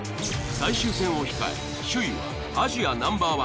最終戦を控え首位はアジアＮｏ．１